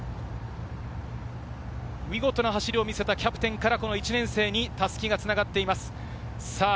見事な走りを見せたキャプテンから１年生に襷が繋がっています。